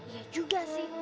iya juga sih